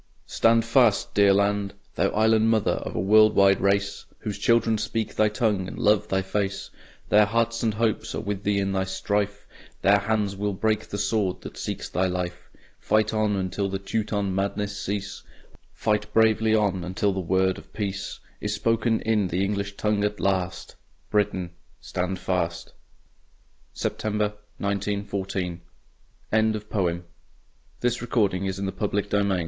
Stand fast, dear land! Thou island mother of a world wide race, Whose children speak thy tongue and love thy face, Their hearts and hopes are with thee in the strife, Their hands will break the sword that seeks thy life; Fight on until the Teuton madness cease; Fight bravely on, until the word of peace Is spoken in the English tongue at last, Britain, stand fast! September, 1914. LIGHTS OUT (1915) "Lights out" along the land, "Lights out" upon the